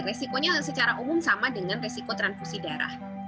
menurut saya secara umum sama dengan resiko transfusi darah